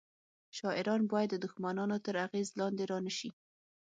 شاعران باید د دښمنانو تر اغیز لاندې رانه شي